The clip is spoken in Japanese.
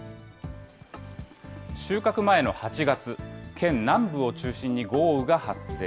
収穫前の８月、県南部を中心に豪雨が発生。